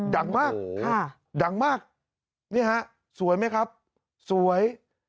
ดังมากดังมากนี่ฮะสวยไหมครับสวย